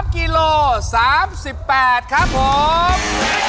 กิโล๓๘ครับผม